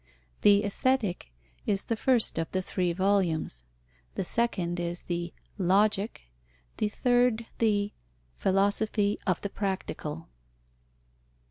The Aesthetic is the first of the three volumes. The second is the Logic, the third the Philosophy of the Practical.